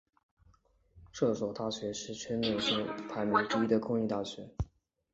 这所大学是全纽约州排名第一的公立大学。